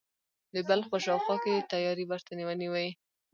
د بلخ په شاوخوا کې یې تیاری ورته ونیوی.